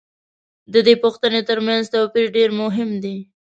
د دې پوښتنو تر منځ توپیر دېر مهم دی.